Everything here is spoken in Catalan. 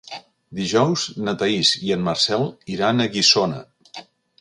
Dijous na Thaís i en Marcel iran a Guissona.